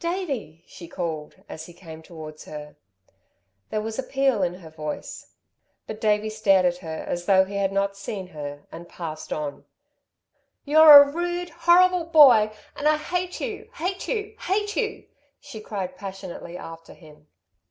"Davey!" she called, as he came towards her. There was appeal in her voice. But Davey stared at her as though he had not seen her, and passed on. "You're a rude, horrible boy! And I hate you, hate you, hate you!" she cried passionately after him.